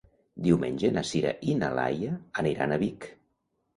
Diumenge na Sira i na Laia aniran a Vic.